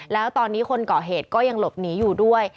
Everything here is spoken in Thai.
แล้วตอนนี้คนก่อเหตุก็ยังหลบหนีอยู่ด้วย